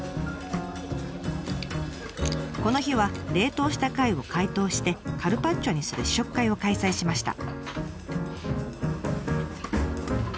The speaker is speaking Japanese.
この日は冷凍した貝を解凍してカルパッチョにする試食会を開催しました。